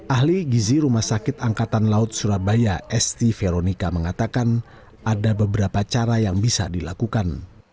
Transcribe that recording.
ahli gizi rumah sakit angkatan laut surabaya esti veronica mengatakan ada beberapa cara yang bisa dilakukan